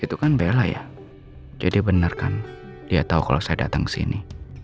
itu kan pela ya jadi bener kan dia tau kalau saya datang kesini